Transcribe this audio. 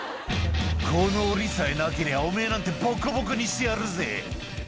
「このオリさえなけりゃおめぇなんてボコボコにしてやるぜ！」